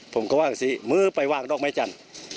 ผมก็ว่าสิแบบมื้อไปวาดอกไม้จัน